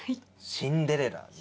シンデレラ。